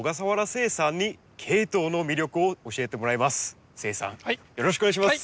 誓さんよろしくお願いします！